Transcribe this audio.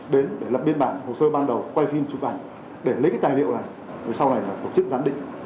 đến để lập biên bản hồ sơ ban đầu quay phim chụp ảnh để lấy cái tài liệu này rồi sau này là tổ chức giám định